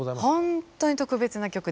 本当に特別な曲です。